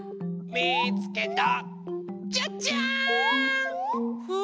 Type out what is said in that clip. みつけた！